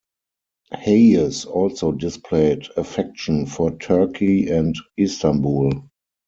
Hayes also displayed affection for Turkey and Istanbul.